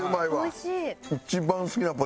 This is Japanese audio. おいしい！